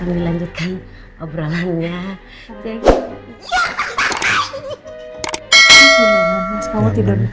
ee perih sih